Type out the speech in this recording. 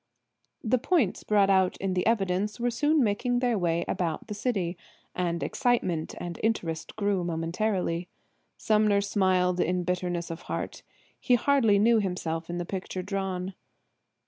The points brought out in the evidence were soon making their way about the city, and excitement and interest grew momentarily. Sumner smiled in bitterness of heart. He hardly knew himself in the picture drawn.